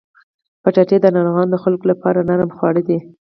کچالو د ناروغو خلکو لپاره نرم خواړه دي